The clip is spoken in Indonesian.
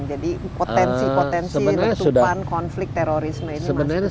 jadi potensi potensi tertukuan konflik terorisme ini masih tetap ada